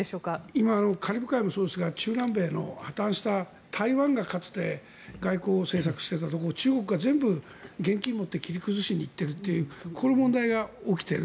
今、カリブ海もそうですが中南米の破たんした台湾がかつて外交政策をしていたところ中国が全部現金を持って切り崩しに行っているという問題が起きている。